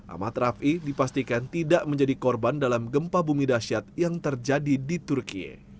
ahmad rafi dipastikan tidak menjadi korban dalam gempa bumi dasyat yang terjadi di turki